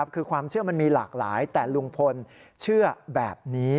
คือความเชื่อมันมีหลากหลายแต่ลุงพลเชื่อแบบนี้